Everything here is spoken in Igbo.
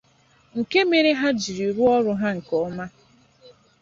nke mere ha jiri ha jiri rụọ ọrụ ha nke ọma